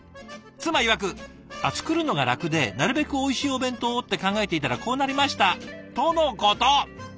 妻いわく「作るのが楽でなるべくおいしいお弁当をって考えていたらこうなりました」とのこと。